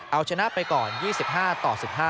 เอาชนะไปก่อน๒๕ต่อ๑๕